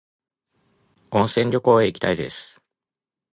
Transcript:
温泉旅行へ行きたいです